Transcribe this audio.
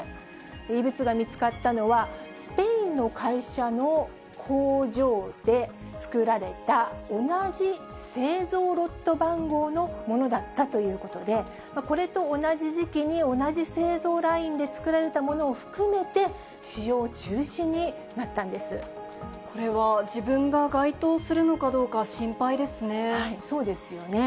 異物が見つかったのは、スペインの会社の工場で作られた同じ製造ロット番号のものだったということで、これと同じ時期に同じ製造ラインで作られたものを含めて、使用中これは自分が該当するのかどそうですよね。